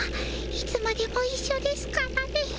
いつまでもいっしょですからね。